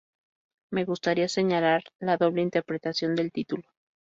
Me gustaría señalar la doble interpretación del título.